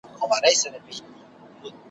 هیڅ مې فکر نه کوئ